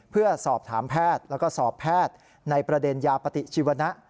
เพื่อสอบถามแพทย์แล้วก็สอบแพทย์ในประเด็นยาปฏิชีวนะ